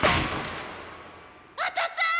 当たった！